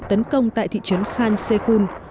tấn công tại thị trấn khan sheikhun